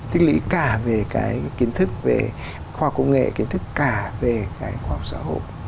tích lũy cả về cái kiến thức về khoa công nghệ kiến thức cả về cái khoa học xã hội